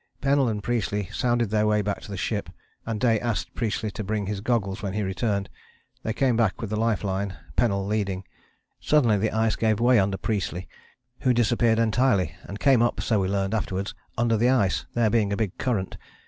"Pennell and Priestley sounded their way back to the ship, and Day asked Priestley to bring his goggles when he returned. They came back with a life line, Pennell leading. Suddenly the ice gave way under Priestley, who disappeared entirely and came up, so we learned afterwards, under the ice, there being a big current.